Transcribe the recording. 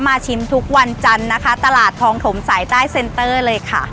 ชิมทุกวันจันทร์นะคะตลาดทองถมสายใต้เซ็นเตอร์เลยค่ะ